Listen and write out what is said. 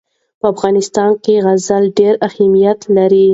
په افغانستان کې زغال ډېر اهمیت لري.